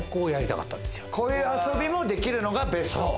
こういう遊びもできるのが別荘。